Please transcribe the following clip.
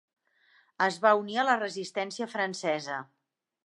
Es va unir a la Resistència francesa.